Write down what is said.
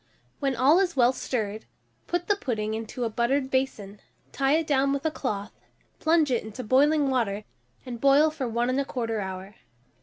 When all is well stirred, put the pudding into a buttered basin, tie it down with a cloth, plunge it into boiling water, and boil for 1 1/4 hour.